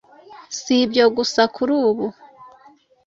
Si ibyo gusa, kuri ubu